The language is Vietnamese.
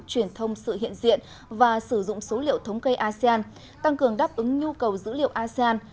truyền thông sự hiện diện và sử dụng số liệu thống kê asean tăng cường đáp ứng nhu cầu dữ liệu asean